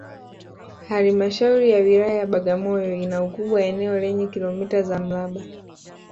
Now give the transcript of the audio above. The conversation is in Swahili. Halmashauri ya Wilaya ya Bagamoyo ina ukubwa wa eneo lenye kilometa za mraba